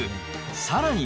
さらに。